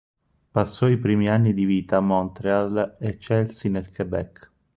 Passò i primi anni di vita a Montréal e Chelsea nel Québec.